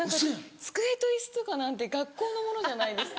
机とイスとかなんて学校のものじゃないですか。